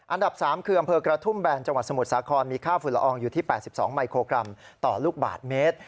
อันดับ๓คืออำเภอกระทุ่มแบนจังหวัดสมุทรสาครมีค่าฝุ่นละอองอยู่ที่๘๒มิโครกรัมต่อลูกบาทเมตร